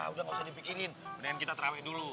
udah gak usah dipikirin mendingan kita terawet dulu